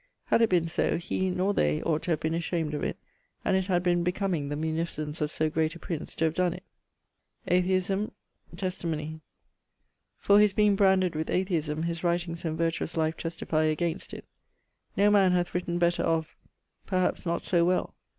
Had it been so, he, nor they, ought to have been ashamed of it, and it had been becoming the munificence of so great a prince to have donne it. Atheisme. Testimonie. For his being branded with atheisme, his writings and vertuous life testifie against it. No man hath written better of ..., perhaps not so well.